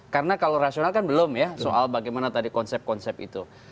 karena kalau rasional kan belum ya soal bagaimana tadi konsep konsep itu